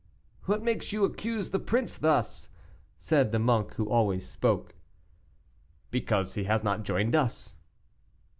"What makes you accuse the prince thus?" said the monk who always spoke. "Because he has not joined us."